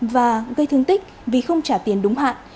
và gây thương tích vì không trả tiền đúng hạn